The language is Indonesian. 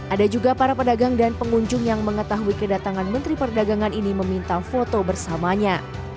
ada juga para pedagang dan pengunjung yang mengetahui kedatangan menteri perdagangan ini meminta foto bersamanya